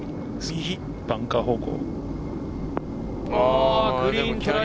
バンカー方向。